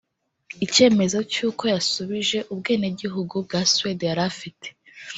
Icyemezo cy’uko yasubije ubwenegihugu bwa Suede yari afite